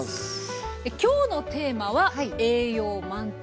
今日のテーマは「栄養満点！